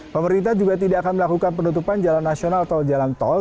pemerintah juga tidak akan melakukan penutupan jalan nasional atau jalan tol